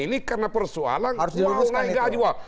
ini karena persoalan mau naik gaji